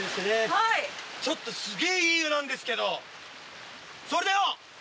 はいちょっとスゲェいい湯なんですけどそれでは！